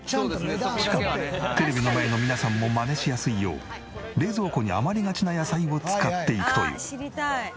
しかもテレビの前の皆さんもマネしやすいよう冷蔵庫に余りがちな野菜を使っていくという。